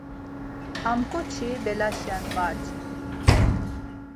Ham ǩoçi belaşe var çitun.